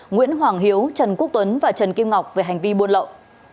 nguyễn hoàng hiếu trần quốc tuấn và trần kim ngọc về hành vi buôn lậu